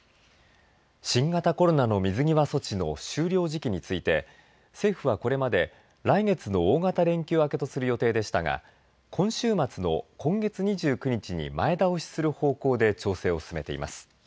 新型コロナの水際措置の終了時期について政府は、これまで来月の大型連休明けとする予定でしたが今週末の今月２９日に前倒しする方向で調整を進めています。